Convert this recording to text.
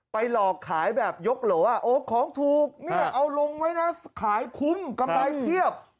ไปหลอกขายแบบยกโหลของถูกเอาลงไว้นะขายคุ้มกำไรเพียบ